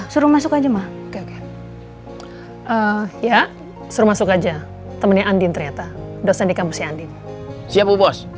suruh masuk aja mah ya suruh masuk aja temennya andin ternyata dosen di kampusnya andin siap bu bos